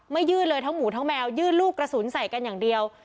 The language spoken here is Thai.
ยื่นเลยทั้งหมูทั้งแมวยื่นลูกกระสุนใส่กันอย่างเดียว